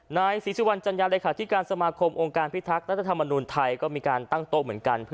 นายศิษยาวันจันยาเลยค่ะที่การสมาคมโอกาสพิทักษ์รัฐธรรมนูนไทยก็มีการตั้งโตเหมือนกัน